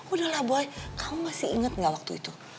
udahlah boy kamu masih ingat gak waktu itu